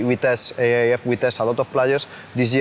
ก็จะเป็นความรู้สึกอีกแบบหนึ่งแล้วก็การมาซ้อมกับเขาหรือว่ามารับใช้ชาติเนี้ย